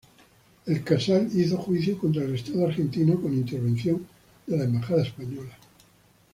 El "Casal" hizo juicio contra el Estado argentino, con intervención de la embajada española.